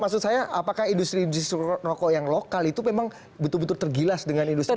maksud saya apakah industri industri rokok yang lokal itu memang betul betul tergilas dengan industri